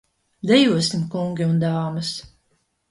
Dejosim, kungi un dāmas!